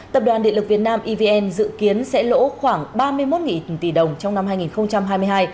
tập đoàn điện lực việt nam evn dự kiến sẽ lỗ khoảng ba mươi một tỷ đồng trong năm hai nghìn hai mươi hai